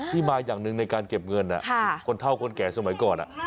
ที่มาอย่างหนึ่งในการเก็บเงินคนเท่าคนแก่สมัยก่อน